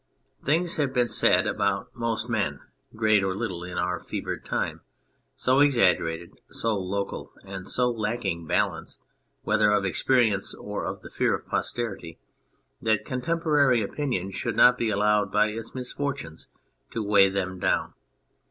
Things have been said about most men, great or little, in our fevered time, so exaggerated, so local and so lacking balance, whether of experience or of the fear of posterity, that contemporary opinion should not be allowed by its misfortunes to weigh them down.